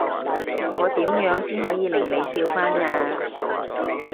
我點樣先可以令你笑返呀？